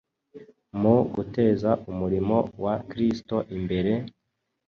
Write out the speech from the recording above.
mu guteza umurimo wa Kristo imbere,